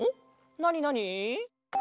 なになに？